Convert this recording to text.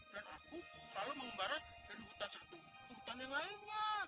dan aku selalu mengembara dari hutan satu ke hutan yang lainnya